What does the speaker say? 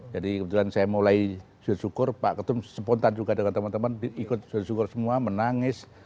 jadi kebetulan saya mulai bersyukur pak ketum sepontan juga dengan teman teman ikut bersyukur semua menangis